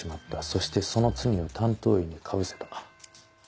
そしてその罪を担当医にかぶせた。